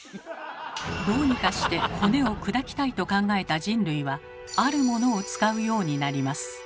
どうにかして骨を砕きたいと考えた人類はあるものを使うようになります。